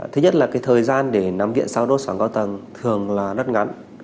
thứ nhất là thời gian để nằm viện sau đốt sóng cao tầng thường là rất ngắn